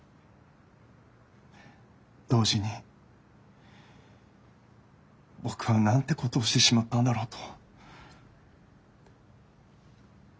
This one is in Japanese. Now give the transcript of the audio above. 同時に僕はなんてことをしてしまったんだろうと。